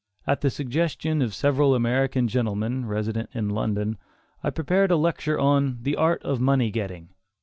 At the suggestion of several American gentlemen, resident in London, I prepared a lecture on "The Art of Money Getting."